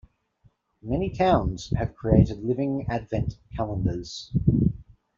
Many towns have created living advent calendars.